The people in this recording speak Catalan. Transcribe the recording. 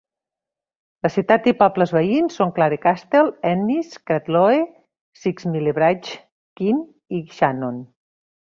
Les ciutats i pobles veïns són Clarecastle, Ennis, Cratloe, Sixmilebridge, Quin i Shannon.